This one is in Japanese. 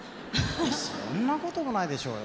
そんなこともないでしょうよ。